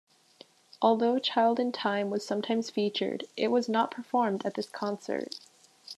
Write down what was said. Although "Child in Time" was sometimes featured, it was not performed at this concert.